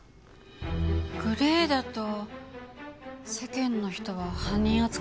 グレーだと世間の人は犯人扱いしますよね？